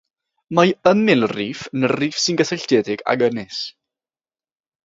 Mae ymylriff yn riff sy'n gysylltiedig ag ynys.